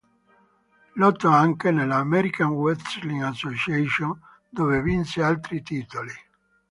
Lottò anche nella American Wrestling Association, dove vinse altri titoli.